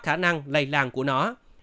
khả năng lây làng của nó